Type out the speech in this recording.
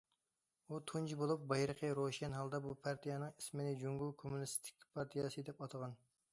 ئۇ تۇنجى بولۇپ بايرىقى روشەن ھالدا بۇ پارتىيەنىڭ ئىسمىنى‹‹ جۇڭگو كوممۇنىستىك پارتىيەسى›› دەپ ئاتىغان.